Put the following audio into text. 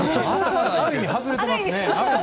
ある意味、外れてますね。